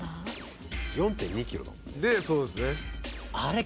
そうですね。